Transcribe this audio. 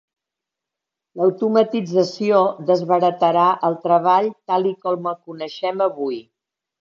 L'automatització desbaratarà el treball tal i com el coneixem avui.